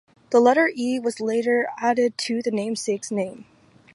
The letter E was later added to the namesake's name.